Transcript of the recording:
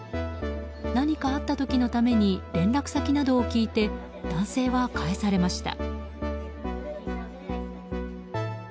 何かあった時のために連絡先などを聞いて男性は帰されました。